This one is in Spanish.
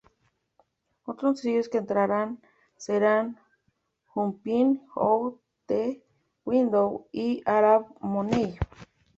Otros sencillos que entraran serán ""Jumping Out the Window"" y ""Arab Money"".